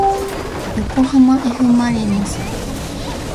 よこはまえふまりのす